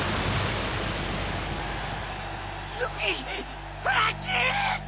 ルフィフランキー！